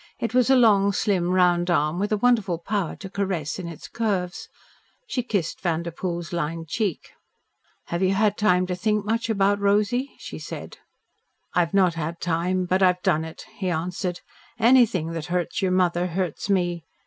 It was a long, slim, round arm with a wonderful power to caress in its curves. She kissed Vanderpoel's lined cheek. "Have you had time to think much about Rosy?" she said. "I've not had time, but I've done it," he answered. "Anything that hurts your mother hurts me.